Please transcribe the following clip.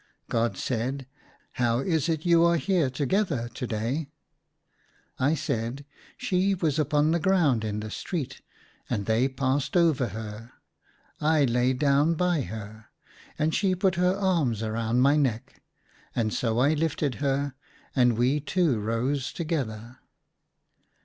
God said, " How is it you are here together to day ?" I said, " She was upon the ground in the street, and they passed over her ; I lay down by her, and she put her arms around my neck, and so I lifted her, and we two rose together."